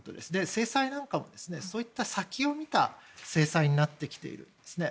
制裁なんかもそういった先を見た制裁になってきているんですね。